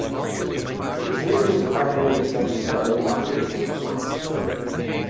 His research is primarily concerned with the early modern French emblem books.